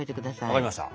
分かりました。